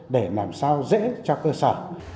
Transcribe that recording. để làm sao dễ cho cơ sở